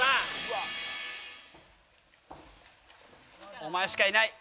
お前しかいない。